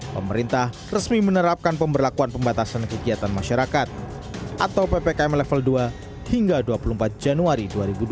pemerintah resmi menerapkan pemberlakuan pembatasan kegiatan masyarakat atau ppkm level dua hingga dua puluh empat januari dua ribu dua puluh